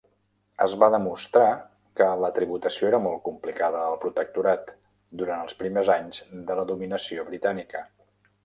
Es va demostrar que la tributació era molt complicada al protectorat, durant els primers anys de la dominació britànica.